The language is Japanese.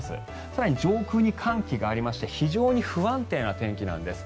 更に、上空に寒気がありまして非常に不安定な天気なんです。